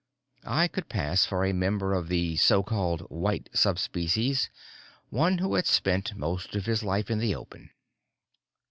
I could pass for a member of the so called "white" subspecies, one who had spent most of his life in the open.